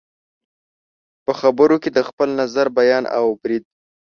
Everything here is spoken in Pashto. په خبرو کې د خپل نظر بیان او برید